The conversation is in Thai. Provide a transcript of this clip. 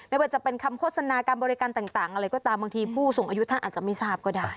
ไม่ว่าจะเป็นคำโฆษณาการบริการต่างอะไรก็ตามบางทีผู้สูงอายุท่านอาจจะไม่ทราบก็ได้